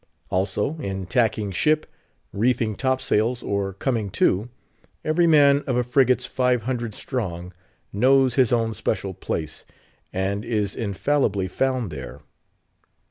Also, in tacking ship, reefing top sails, or "coming to," every man of a frigate's five hundred strong, knows his own special place, and is infallibly found there.